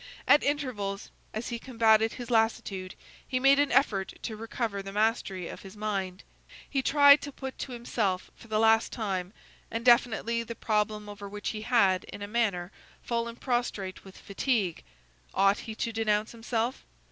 At intervals, as he combated his lassitude, he made an effort to recover the mastery of his mind. He tried to put to himself, for the last time, and definitely, the problem over which he had, in a manner, fallen prostrate with fatigue: Ought he to denounce himself?